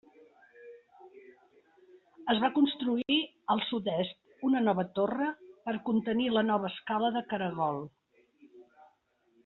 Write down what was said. Es va construir, al sud-est, una nova torre per contenir la nova escala de caragol.